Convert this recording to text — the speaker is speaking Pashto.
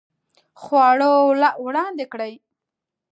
خواړه وړاندې کړئ